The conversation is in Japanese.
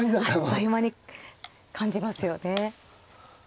あっという間に感じますよね。